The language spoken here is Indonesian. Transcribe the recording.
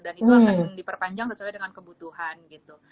dan itu akan diperpanjang sesuai dengan kebutuhan gitu